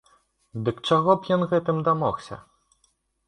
Дык чаго б ён гэтым дамогся?